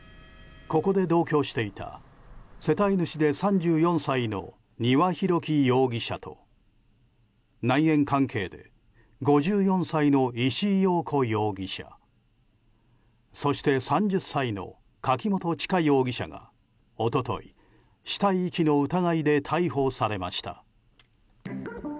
ここで同居していた世帯主で３４歳の丹羽洋樹容疑者と内縁関係で５４歳の石井陽子容疑者そして３０歳の柿本知香容疑者が一昨日、死体遺棄の疑いで逮捕されました。